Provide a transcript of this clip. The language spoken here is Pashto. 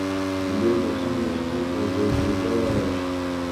دوی به سمدستي په غږېدا راشي